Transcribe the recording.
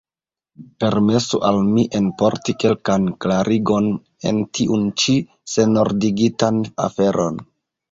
Permesu al mi enporti kelkan klarigon en tiun ĉi senordigitan aferon.